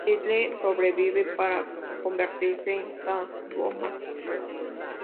Kyle sobrevive para convertirse en Catwoman.